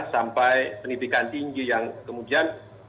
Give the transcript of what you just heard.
sampai pendidikan tinggi yang kemudian